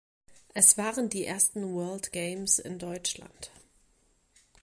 Es waren die ersten World Games in Deutschland.